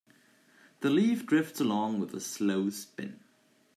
The leaf drifts along with a slow spin.